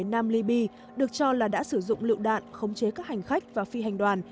nam liby được cho là đã sử dụng lựu đạn khống chế các hành khách và phi hành đoàn